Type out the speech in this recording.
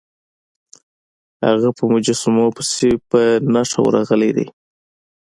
هغه په مجسمو پسې په نښه ورغلی دی.